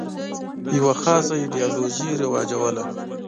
یوه خاصه ایدیالوژي رواجوله.